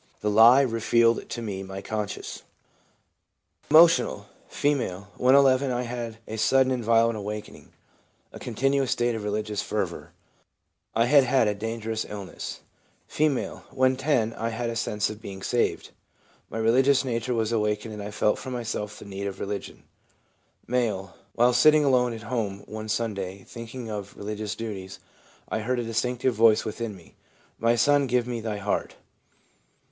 The lie revealed to me my conscience/ Emotional. — F. ' When 1 1 I had a sudden and violent awakening — a continuous state of religious fervour. I had had a dangerous illness/ F. 'When 10 I had a sense of being saved. My religious nature was awakened and I felt for myself the need of religion/ M. ' While sitting alone at home one Sunday, thinking of religious duties, I heard a distinct voice within me, "My Son, give me thy heart."